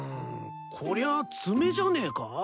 こりゃ爪じゃねえか？